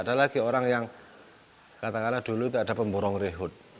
ada lagi orang yang katakanlah dulu itu ada pemborong rehut